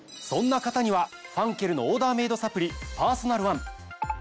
そんな方にはファンケルのオーダーメイドサプリパーソナルワン。